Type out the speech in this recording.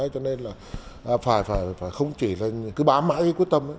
cho nên là phải không chỉ là cứ bám mã quyết tâm